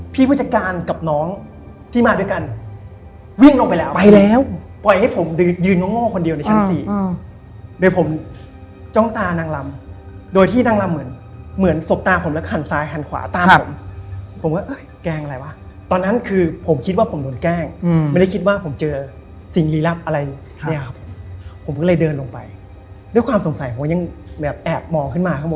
ประมาณ๓นิ้วประมาณ๓นิ้วครับผมได้ประมาณ๓นิ้ว